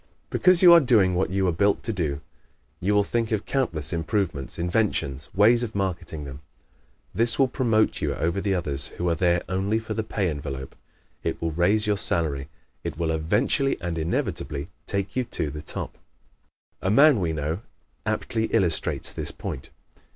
Because you are doing what you were built to do, you will think of countless improvements, inventions, ways of marketing them. This will promote you over the others who are there only for the pay envelope; it will raise your salary; it will eventually and inevitably take you to the top. A man we know aptly illustrates this point.